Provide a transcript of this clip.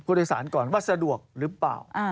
สารก่อนว่าสะดวกหรือเปล่า